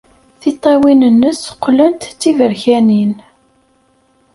Tiṭṭawin-nnes qqlent d tiberkanin.